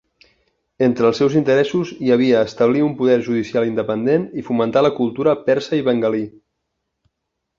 Entre els seus interessos hi havia establir un poder judicial independent i fomentar la cultura persa i bengalí.